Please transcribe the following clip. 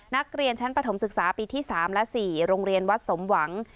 นักเรียนชั้นปฐมศึกษาปีที่๓และ๔โรงเรียนวัดสมหวัง